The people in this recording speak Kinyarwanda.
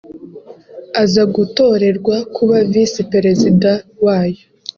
aza gutorerwa kuba Visi Perezida wayo